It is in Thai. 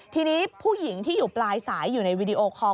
ทีนี้ผู้หญิงที่อยู่ปลายสายอยู่ในวีดีโอคอล